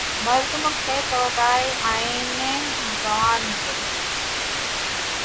مردمک ہے طوطئِ آئینۂ زانو مجھے